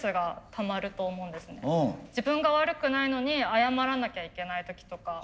自分が悪くないのに謝らなきゃいけない時とか。